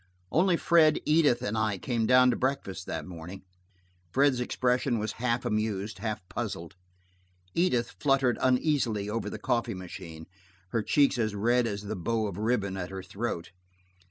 Only Fred, Edith and I came down to breakfast that morning. Fred's expression was half amused, half puzzled. Edith fluttered uneasily over the coffee machine, her cheeks as red as the bow of ribbon at her throat.